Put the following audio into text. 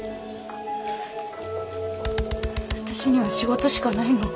私には仕事しかないの。